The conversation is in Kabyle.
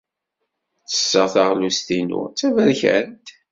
Ttesseɣ taɣlust-inu d taberkant.